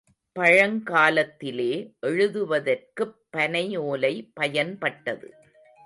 பழங்காலத்திலே எழுதுவதற்குப் பனை ஓலை பயன்பட்டது.